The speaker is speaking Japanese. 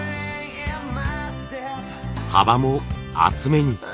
幅も厚めに。